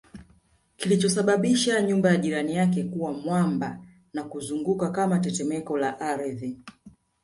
kilichosababisha nyumba ya jirani yake kuwa mwamba na kuzunguka kama tetemeko la ardhi